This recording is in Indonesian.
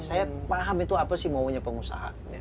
saya paham itu apa sih maunya pengusaha